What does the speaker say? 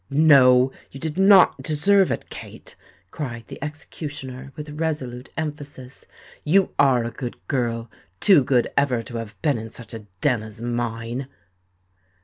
"No—you did not deserve it, Kate!" cried the executioner, with resolute emphasis; "you are a good girl—too good ever to have been in such a den as mine!"